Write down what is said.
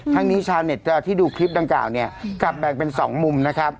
ทั้งนี้ชาวเน็ตที่ดูคลิปดังกล่าวเนี่ยกลับแบ่งเป็น๒มุมนะครับ